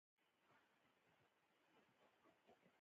اوږده غرونه د افغانستان په هره برخه کې موندل کېږي.